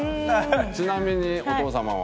ちなみにお父様は？